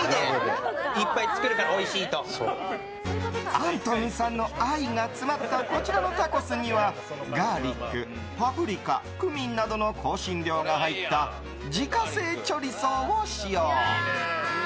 アントウンさんの愛が詰まったこちらのタコスにはガーリック、パプリカクミンなどの香辛料が入った自家製チョリソーを使用。